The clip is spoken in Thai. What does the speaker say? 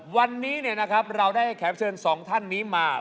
วันนี้นะครับเราได้แข็บเชิญ๒ท่านนี้มา